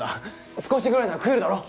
少しぐらいなら食えるだろ？